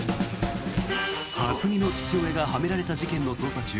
蓮見の父親がはめられた事件の捜査中